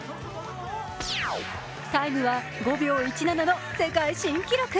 タイムは５秒１７の世界新記録！